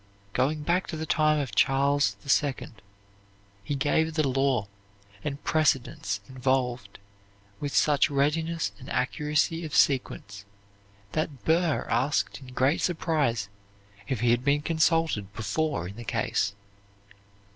Going back to the time of Charles II he gave the law and precedents involved with such readiness and accuracy of sequence that Burr asked in great surprise if he had been consulted before in the case.